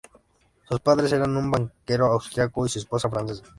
Sus padres eran un banquero austriaco y su esposa francesa.